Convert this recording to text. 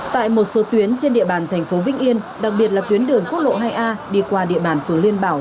tại một số tuyến trên địa bàn thành phố vĩnh yên đặc biệt là tuyến đường quốc lộ hai a đi qua địa bàn phường liên bảo